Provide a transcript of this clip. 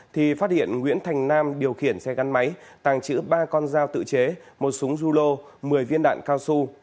thì phát hiện nguyễn thành nam điều khiển xe gắn máy tàng trữ ba con dao tự chế một súng rulo một mươi viên đạn cao su